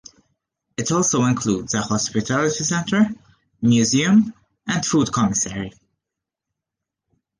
It also includes a hospitality center, museum, and food commissary.